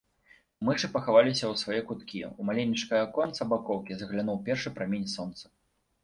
Мышы пахаваліся ў свае куткі, у маленечкае аконца бакоўкі заглянуў першы прамень сонца.